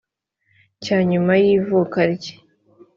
cya nyuma y ivuka rya